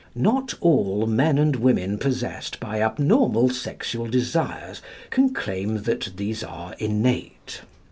Not all men and women possessed by abnormal sexual desires can claim that these are innate.